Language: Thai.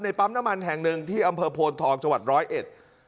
ปั๊มน้ำมันแห่งหนึ่งที่อำเภอโพนทองจังหวัดร้อยเอ็ด